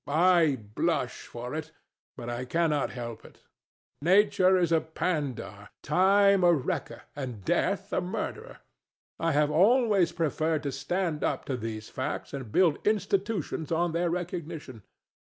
I blush for it; but I cannot help it. Nature is a pandar, Time a wrecker, and Death a murderer. I have always preferred to stand up to those facts and build institutions on their recognition.